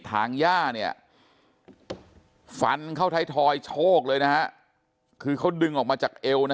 ถางย่าเนี่ยฟันเข้าไทยทอยโชคเลยนะฮะคือเขาดึงออกมาจากเอวนะ